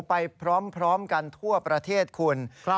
ไปพร้อมกันทั่วประเทศคุณ